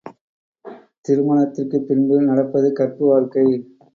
திருமணத்திற்கு பின்பு நடப்பது கற்பு வாழ்க்கை.